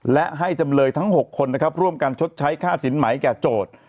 และให้จำเลยทั้ง๖คนนะครับร่วมกันชดใช้ค่าสินไหมแก่โจทย์